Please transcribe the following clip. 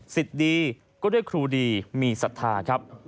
สิทธิ์ดีก็ด้วยครูดีมีศรัทธาครับ